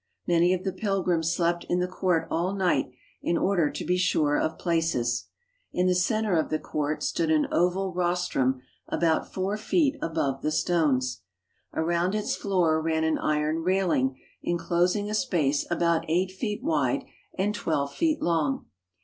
Many of the pilgrims slept in the court all night in order to be sure of places. In the centre of the court stood an oval rostrum about four feet above the stones. Around its floor ran an iron railing enclosing a space about eight feet wide and twelve feet long.